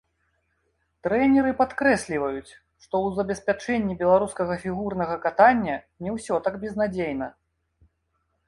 Трэнеры падкрэсліваюць, што ў забеспячэнні беларускага фігурнага катання не ўсё так безнадзейна.